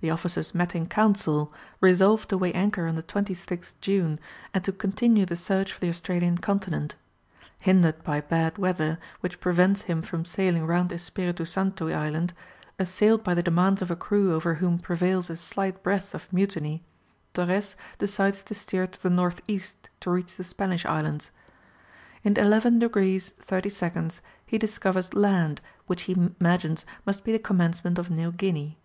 The officers met in council, resolved to weigh anchor on the 26th June, and to continue the search for the Australian continent. Hindered by bad weather, which prevents him from sailing round Espiritu Santo Island, assailed by the demands of a crew over whom prevails a slight breath of mutiny, Torrès decides to steer to the north east to reach the Spanish Islands. In 11 degrees 30 minutes he discovers land, which he imagines must be the commencement of New Guinea.